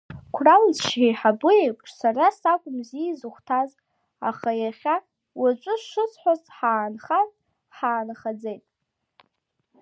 Қәрала сшеиҳабу еиԥш сара сакәымзи изыхәҭаз, аха иахьа, уаҵәы шысҳәоз ҳаанхан, ҳаанхаӡеит.